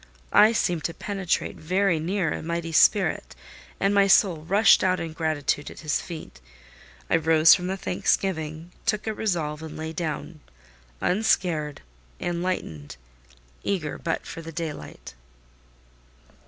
I seemed to penetrate very near a Mighty Spirit; and my soul rushed out in gratitude at His feet. I rose from the thanksgiving—took a resolve—and lay down, unscared, enlightened—eager but for the daylight.